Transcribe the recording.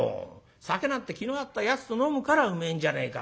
酒なんて気の合ったやつと飲むからうめえんじゃねえか